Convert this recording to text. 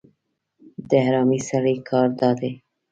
د حرامي سړي کار دا دی